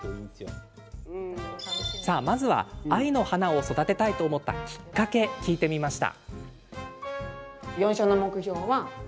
まずは愛の花を育てたいと思ったきっかけを聞いてみました。